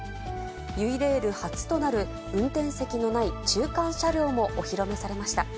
ゆいレール初となる運転席のない中間車両もお披露目されました。